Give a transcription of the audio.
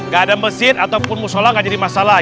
gak ada masjid ataupun musola gak jadi masalah